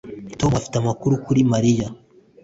Tom afite amakuru kuri Mariya